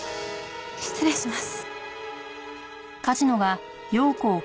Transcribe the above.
失礼します。